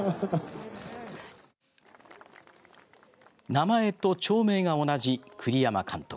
名前と町名が同じ栗山監督。